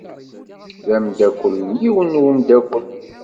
D amdakel n yiwen n wemdakel.